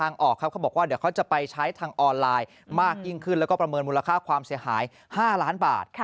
เงินมูลค่าความเสียหาย๕ล้านบาท